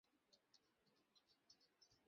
আজকের দিনের প্লানটা বড়।